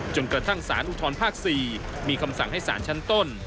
จนกระทั่งสารอุทธรภาค๔มีคำสั่งให้สารชั้นต้น